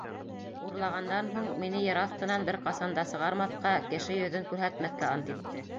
Урлағандан һуң, мине ер аҫтынан бер ҡасан да сығармаҫҡа, кеше йөҙөн күрһәтмәҫкә ант итте.